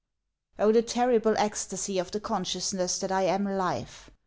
Oh the terrible ecstasy of the consciousness that I am life!